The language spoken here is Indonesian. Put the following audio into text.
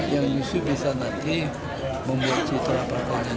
yang yusuf bisa nanti membuat cita cita yang lain